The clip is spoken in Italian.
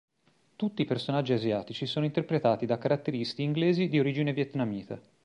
Tutti i personaggi asiatici sono interpretati da caratteristi inglesi di origine vietnamita.